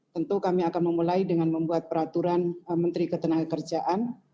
tentu kami akan memulai dengan membuat peraturan menteri ketenagakerjaan